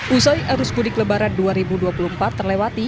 usai arus mudik lebaran dua ribu dua puluh empat terlewati